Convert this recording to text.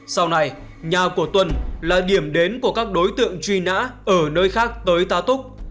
sau này nhà của tuân là điểm đến của các đối tượng truy nã ở nơi khác tới tá túc